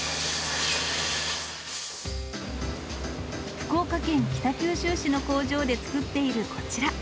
福岡県北九州市の工場で作っているこちら。